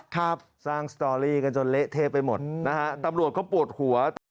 ครับสร้างสตอรี่กันจนเละเทะไปหมดนะฮะตำรวจเขาปวดหัว